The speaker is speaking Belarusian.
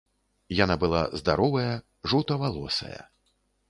Яна была здаровая, жоўтавалосая.